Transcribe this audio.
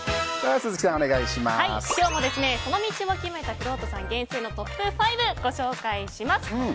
今日もその道を究めたくろうとさんのトップ５をご紹介します。